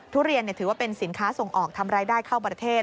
ทุเรียนถือว่าเป็นสินค้าส่งออกทำรายได้เข้าประเทศ